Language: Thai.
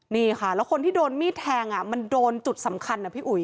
นี่ค่ะแล้วคนที่โดนมีดแทงมันโดนจุดสำคัญนะพี่อุ๋ย